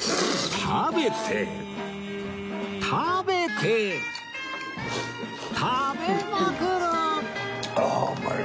食べて食べて食べまくる！